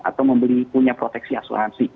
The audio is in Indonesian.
atau membeli punya proteksi asuransi